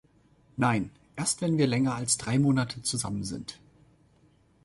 Nein, erst wenn wir länger als drei Monate zusammen sind!